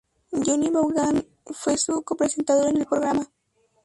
Johnny Vaughan fue su co-presentador en el programa.